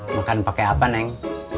makan pakai apa neng